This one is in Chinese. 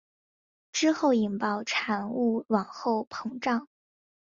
之后引爆产物往后膨胀。